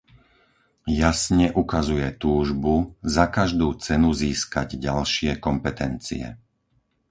Jasne ukazuje túžbu, za každú cenu získať ďalšie kompetencie.